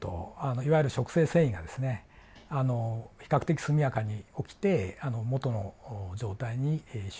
いわゆる植生遷移がですね比較的速やかに起きて元の状態に修復されると。